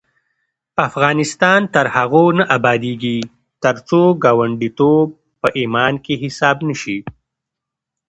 افغانستان تر هغو نه ابادیږي، ترڅو ګاونډیتوب په ایمان کې حساب نشي.